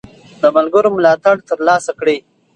د ملګرو ملاتړ ترلاسه کړئ.